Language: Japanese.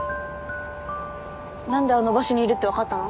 何であの場所にいるって分かったの？